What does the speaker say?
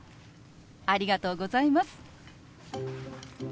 ありがとうございます。